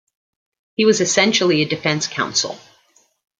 He was essentially a defence counsel.